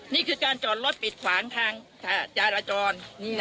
นี่คือการจอดรถปิดขวางทางจราจร